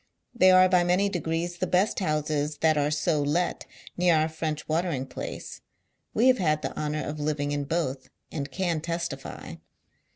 They are by many degrees the best houses that are so let near our French watering place ; we have had the honour of living in both, ;illli Can testily.